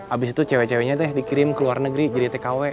abis itu cewek ceweknya tuh dikirim ke luar negeri jadi tkw